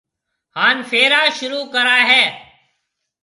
ھان ڦيرا شروع ڪرائيَ ھيََََ